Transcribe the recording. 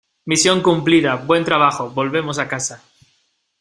Misión cumplida. Buen trabajo . Volvemos a casa .